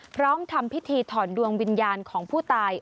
พร้อมทำพิธีถอนดวงวิญญาณของผู้ตาย